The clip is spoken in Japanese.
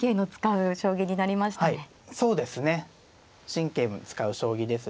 神経も使う将棋ですしま